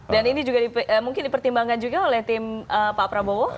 dan ini juga mungkin dipertimbangkan juga oleh tim pak prabowo